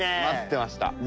待ってました。